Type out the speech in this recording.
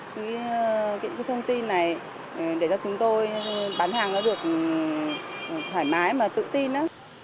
những cái thông tin này để cho chúng tôi bán hàng được thoải mái và tự tin